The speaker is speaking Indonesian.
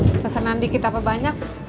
pesenan dikit apa banyak